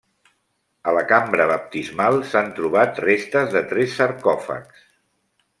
A la cambra baptismal s'han trobat restes de tres sarcòfags.